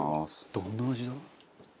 どんな味だ？